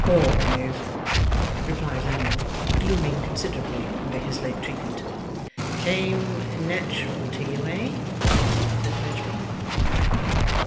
'Always,' replied Lammle, glooming considerably under his late treatment. 'Came natural to you, eh?' said Fledgeby.